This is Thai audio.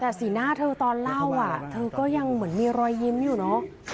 แต่สีหน้าเธอตอนเล่าเธอก็ยังเหมือนมีรอยยิ้มอยู่เนอะ